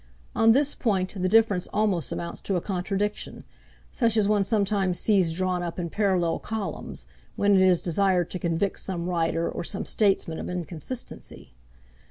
On this point the difference almost amounts to a contradiction, such as one sometimes sees drawn up in parallel columns, when it is desired to convict some writer or some statesman of inconsistency.